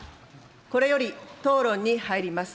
これより討論に入ります。